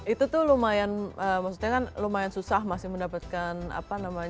itu tuh lumayan maksudnya kan lumayan susah masih mendapatkan apa namanya tempat yang diperlukan